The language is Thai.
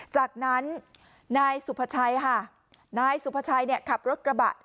จากนั้นนายสุภาชัยค่ะนายสุภาชัยเนี่ยขับรถกระบะ